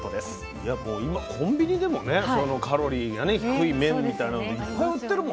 いやもう今コンビニでもねそのカロリーがね低い麺みたいなのいっぱい売ってるもんね。